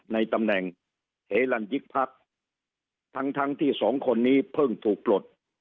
ในตำแหน่งเหลันยิกพักทั้งทั้งที่สองคนนี้เพิ่งถูกปลด